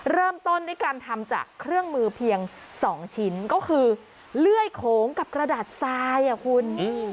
เริ่มต้นด้วยการทำจากเครื่องมือเพียงสองชิ้นก็คือเลื่อยโขงกับกระดาษทรายอ่ะคุณ